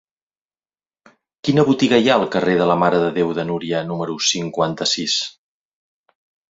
Quina botiga hi ha al carrer de la Mare de Déu de Núria número cinquanta-sis?